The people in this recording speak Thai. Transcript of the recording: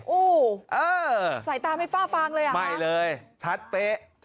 อู้เออใส่ตาไม่ฟ้าฟังเลยอ่ะฮะไม่เลยชัดเป๊ะ